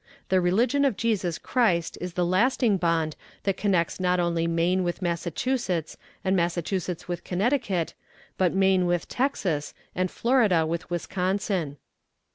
The religion of Jesus Christ is the lasting bond that connects not only Maine with Massachusetts and Massachusetts with Connecticut, but Maine with Texas and Florida with Wisconsin.